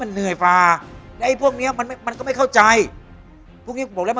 มันเหนื่อยแบบเพราะอาจำพูดมันมาไม่เข้าใจบอกแล้ว